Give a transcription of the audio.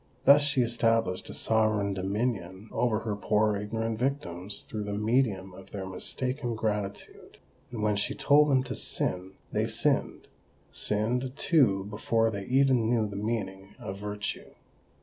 Thus she established a sovereign dominion over her poor ignorant victims through the medium of their mistaken gratitude; and when she told them to sin, they sinned—sinned, too, before they even knew the meaning of virtue!